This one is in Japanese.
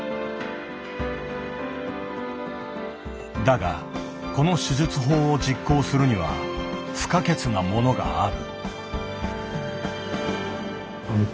だがこの手術法を実行するには不可欠なものがある。